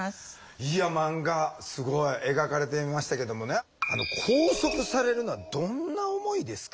いや漫画すごい描かれていましたけどもね拘束されるのはどんな思いですか？